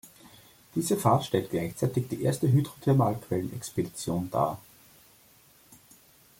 Diese Fahrt stellt gleichzeitig die erste Hydrothermalquellen-Expedition dar.